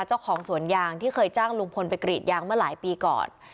เจ้าของสวนยางที่เคยจ้างลุงพลไปกรีดยางเมื่อหลายปีก่อน